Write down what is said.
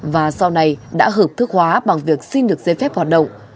và sau này đã hợp thức hóa bằng việc xin được giấy phép hoạt động